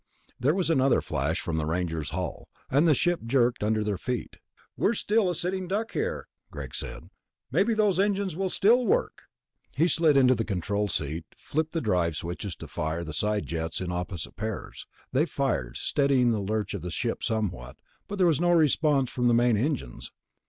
There was another flash from the Ranger's hull, and the ship jerked under their feet. "Well, we're a sitting duck here," Greg said. "Maybe those engines will still work." He slid into the control seat, flipped the drive switches to fire the side jets in opposite pairs. They fired, steadying the lurching of the ship somewhat, but there was no response from the main engines.